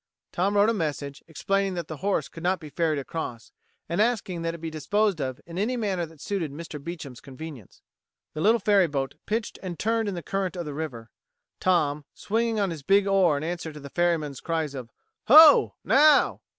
Tom wrote a message, explaining that the horse could not be ferried across, and asking that it be disposed of in any manner that suited Mr. Beecham's convenience. The little ferryboat pitched and turned in the current of the river. Tom, swinging on his big oar in answer to the ferryman's cries of "Ho!" "Now!"